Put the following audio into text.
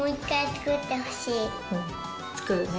作るね。